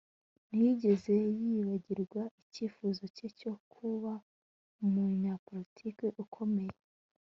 Ntiyigeze yibagirwa icyifuzo cye cyo kuba umunyapolitiki ukomeye